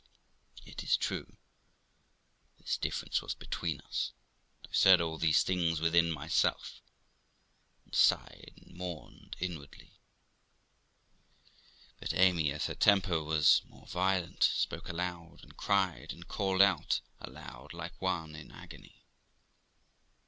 It is true, this difference was between us, that I said all these things within myself, and sighed and mourned inwardly; but Amy, as her temper was more violent, spoke aloud, and cried, and called out aloud, like one in agony.